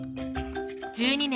１２年